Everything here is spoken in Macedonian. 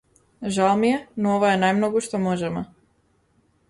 Жал ми е, но ова е најмногу што можеме.